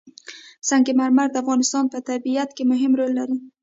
سنگ مرمر د افغانستان په طبیعت کې مهم رول لري.